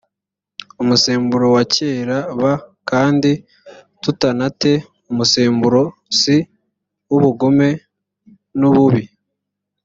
umusemburo wa kera b kandi tutana te umusemburoc w ubugome n ububi